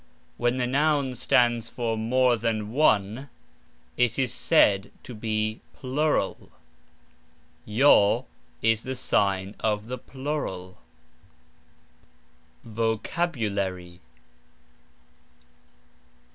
(When the noun stands for "more than one," it is said to be PLURAL. "j" is the sign of the plural). VOCABULARY.